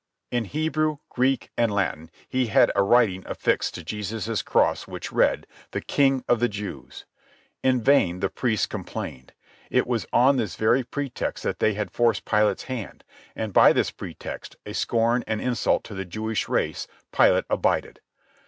In Hebrew, Greek, and Latin he had a writing affixed to Jesus' cross which read, "The King of the Jews." In vain the priests complained. It was on this very pretext that they had forced Pilate's hand; and by this pretext, a scorn and insult to the Jewish race, Pilate abided.